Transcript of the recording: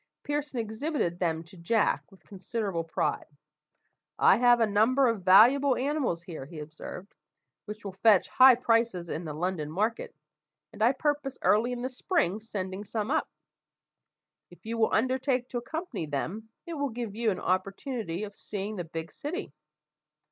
Pearson exhibited them to Jack with considerable pride. "I have a number of valuable animals here," he observed, "which will fetch high prices in the London market, and I purpose early in the spring sending some up. If you will undertake to accompany them, it will give you an opportunity of seeing the big city.